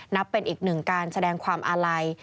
นับเป็นอีกหนึ่งการแสดงความอาลัย